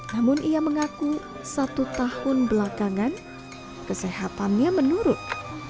namun ia mengaku satu tahun belakangan kesehatannya menurun